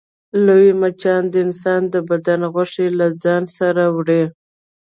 لوی مچان د انسان د بدن غوښې له ځان سره وړي